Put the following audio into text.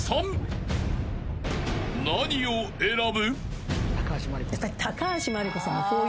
［何を選ぶ？］